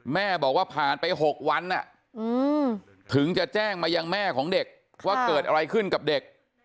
แม่บอกว่าผ่านไป๖วันถึงจะแจ้งมายังแม่ของเด็กว่าเกิดอะไรขึ้นกับเด็ก